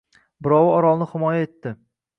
Birovi Orolni himoya etdi.